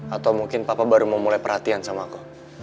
atau mungkin papa baru mau mulai perhatian sama aku